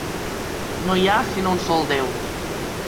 No hi ha sinó un sol Déu.